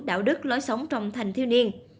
đạo đức lối sống trong thành thiêu niên